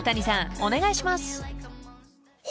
お願いします］